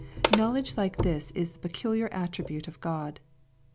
Knowledge like this is the peculiar attribute of God.